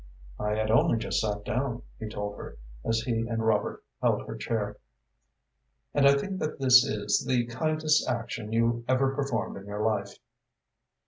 "I had only just sat down," he told her, as he and Robert held her chair, "and I think that this is the kindest action you ever performed in your life."